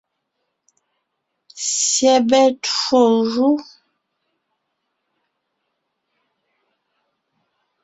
Syɛbɛ twó jú.